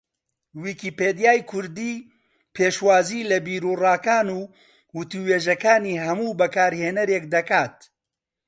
ویکیپیدیای کوردی پێشوازی لە بیروڕاکان و وتووێژەکانی ھەموو بەکارھێنەرێک دەکات